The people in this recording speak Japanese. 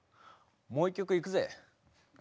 もう一曲いくぜ。